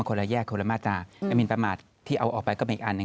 มันคนละแยกคนละมาตราไอมีประมาทที่เอาออกไปก็เป็นอีกอัน